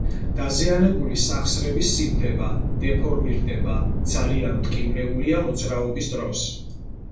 დაზიანებული სახსრები სივდება, დეფორმირდება, ძალიან მტკივნეულია მოძრაობის დროს.